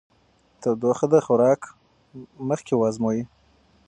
تودوخه د خوراک مخکې وازمویئ.